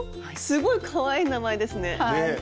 すごいかわいい名前ですね。